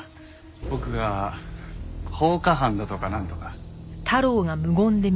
僕が放火犯だとかなんとか。